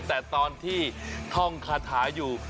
แต่ตอนที่ท่องคาถาอยู่